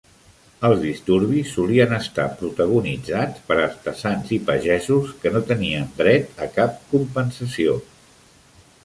Els disturbis solien estar protagonitzats per artesans i pagesos que no tenien dret a cap compensació.